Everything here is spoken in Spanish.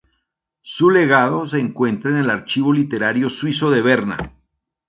Su legado se encuentra en el Archivo Literario Suizo de Berna.